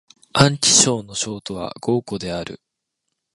安徽省の省都は合肥である